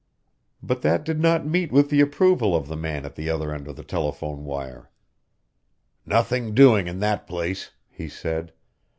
But that did not meet with the approval of the man at the other end of the telephone wire. "Nothing doing in that place," he said.